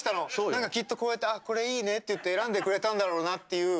なんか、きっと、こうやってこれ、いいねっていって選んでくれたんだろうなっていう。